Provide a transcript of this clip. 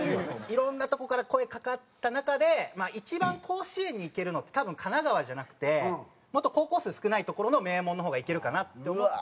色んなとこから声かかった中で一番甲子園に行けるのって多分神奈川じゃなくてもっと高校数少ないところの名門の方が行けるかなって思って。